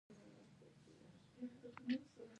عجله بده ده.